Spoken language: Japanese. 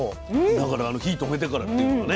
だからあの火止めてからっていうのがね。